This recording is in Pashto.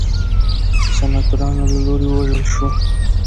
د سناتورانو له لوري ووژل شو.